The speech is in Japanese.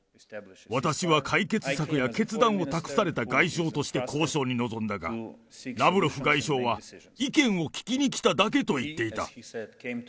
私は解決策や決断を託された外相として交渉に臨んだが、ラブロフ外相は意見を聞きに来ただけと言っていた。